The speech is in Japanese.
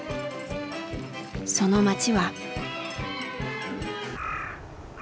その町は。